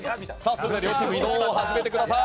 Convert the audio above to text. それでは両チーム移動を始めてください。